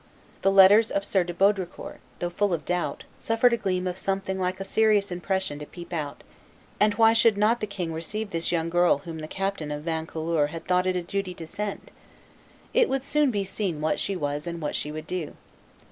The letters of Sire de Baudricourt, though full of doubt, suffered a gleam of something like a serious impression to peep out; and why should not the king receive this young girl whom the captain of Vaucouleurs had thought it a duty to send? It would soon be seen what she was and what she would do.